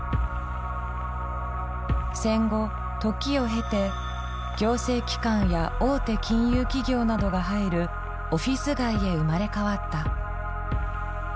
戦後時を経て行政機関や大手金融企業などが入るオフィス街へ生まれ変わった。